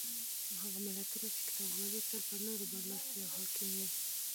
هغه ملتونه چې کتاب لولي تل پر نورو برلاسي او حاکم وي.